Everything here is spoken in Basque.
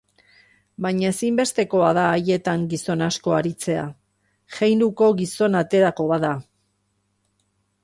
Baina ezinbestekoa da haietan gizon asko aritzea, jeinuko gizona aterako bada.